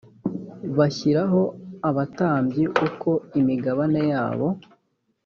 bashyiraho abatambyi uko imigabane yabo